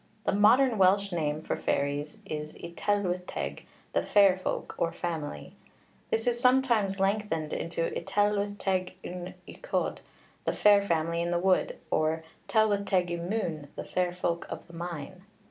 The modern Welsh name for fairies is y Tylwyth Teg, the fair folk or family. This is sometimes lengthened into y Tylwyth Teg yn y Coed, the fair family in the wood, or Tylwyth Teg y Mwn, the fair folk of the mine.